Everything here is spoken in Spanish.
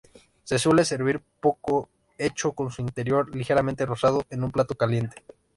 Se suele servir 'poco hecho', con su interior ligeramente rosado, en un plato caliente.